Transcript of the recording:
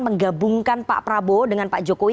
menggabungkan pak prabowo dengan pak jokowi